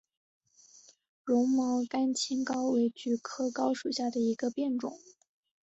绒毛甘青蒿为菊科蒿属下的一个变种。